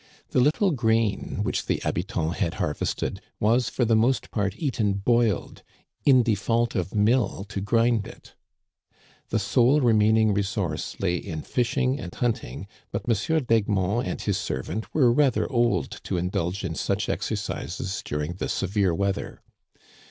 The little grain which the habitants had harvested was for the most part eaten boiled, in default of mill to grind it. The sole remaining resource lay in fishing and hunt ing, but M. d'Egmont and his servant were rather old to indulge in such exercises during the severe weather.